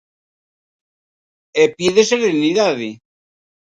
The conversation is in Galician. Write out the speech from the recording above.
E pide serenidade.